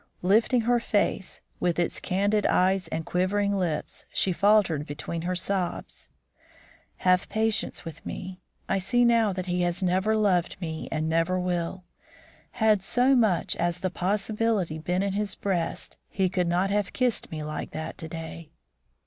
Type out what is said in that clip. Lifting her face, with its candid eyes and quivering lips, she faltered between her sobs: "Have patience with me! I see now that he has never loved me and never will. Had so much as the possibility been in his breast, he could not have kissed me like that to day."